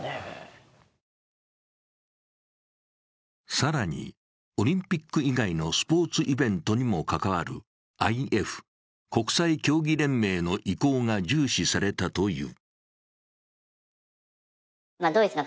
更にオリンピック以外のスポーツイベントにも関わるＩＦ＝国際競技連盟の意向が重視されたという。